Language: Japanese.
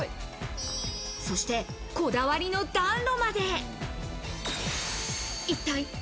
そして、こだわりの暖炉まで。